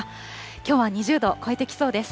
きょうは２０度を超えてきそうです。